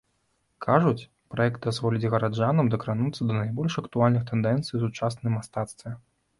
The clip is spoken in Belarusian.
Кажуць, праект дазволіць гараджанам дакрануцца да найбольш актуальных тэндэнцый у сучасным мастацтве.